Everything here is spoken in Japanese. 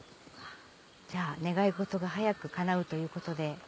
じゃあ願い事が早くかなうということで。